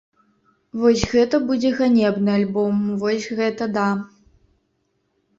Вось гэта будзе ганебны альбом, вось гэта да!